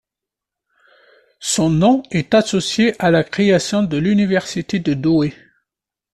Son nom est associé à la création de l'université de Douai.